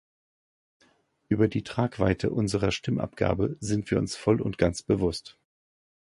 Über die Tragweite unserer Stimmabgabe sind wir uns voll und ganz bewusst.